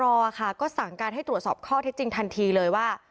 รอค่ะก็สั่งการให้ตรวจสอบข้อเท็จจริงทันทีเลยว่า